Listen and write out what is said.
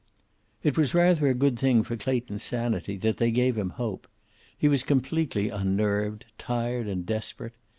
It was rather a good thing for Clayton's sanity that they gave him hope. He was completely unnerved, tired and desperate.